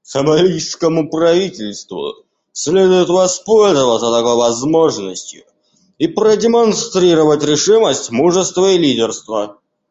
Сомалийскому правительству следует воспользоваться такой возможностью и продемонстрировать решимость, мужество и лидерство.